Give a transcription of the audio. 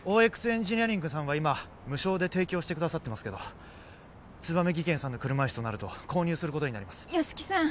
ＯＸエンジニアリングさんは今無償で提供してくださってますけどツバメ技研さんの車いすとなると購入することになります吉木さん